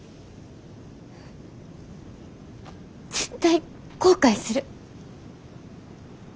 絶対後悔する。